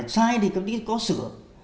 sai thì có sửa